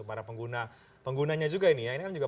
para pengguna penggunanya juga ini ya ini kan juga